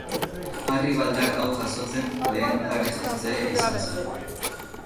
Harri baldar hau jasotzen lehen harri-jasotzailea izan zen.